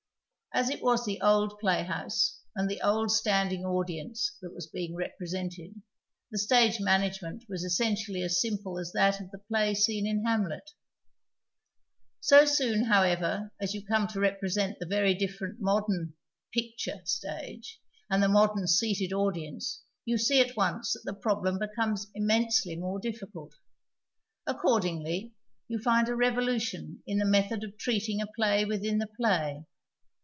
As it was the old playhouse and the old standing audience that was being represented, the stage nianagenient was essentially as simple as that of the play scene in IlavUet. So soon, however, as yon come to represent the very different modern " picture " stage and the modern seated audience you see at once that the j)robIem becomes immensely more dillieult. Accord ingly you find a revolution in the method of treating a play within a play.